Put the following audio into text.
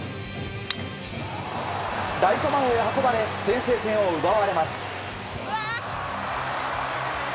ライト前へ運ばれ先制点を奪われます。